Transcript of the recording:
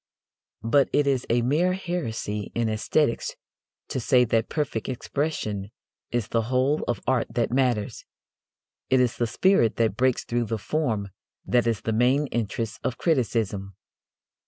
But it is a mere heresy in æsthetics to say that perfect expression is the whole of art that matters. It is the spirit that breaks through the form that is the main interest of criticism.